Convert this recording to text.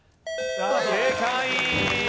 正解。